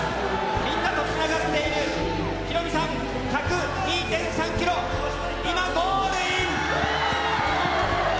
みんなとつながっているヒロミさん、１０２．３キロ、今、ゴールイン。